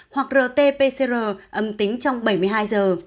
hoặc rt pcr âm tính trong bảy mươi hai giờ